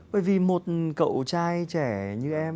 bởi vì một cậu trai trẻ như em